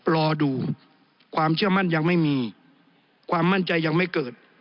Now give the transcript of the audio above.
รอดูความเชื่อมั่นยังไม่มีความมั่นใจยังไม่เกิด